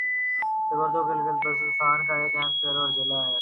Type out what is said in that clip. سکردو گلگت بلتستان کا ایک اہم شہر اور ضلع ہے